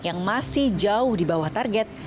yang masih jauh di bawah target